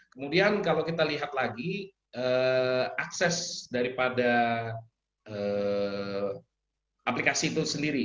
kemudian kalau kita lihat lagi akses daripada aplikasi itu sendiri